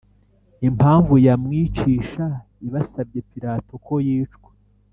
impamvu yamwicisha i basabye Pilato ko yicwa